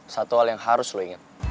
satu hal yang harus lo ingat